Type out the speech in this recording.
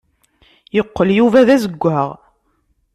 Yeqqel Yuba d azeggaɣ.